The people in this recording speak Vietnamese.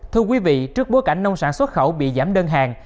thưa quý vị trước bối cảnh nông sản xuất khẩu bị giảm đơn hàng